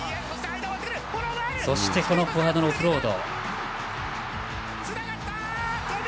そして、フォワードのオフロード。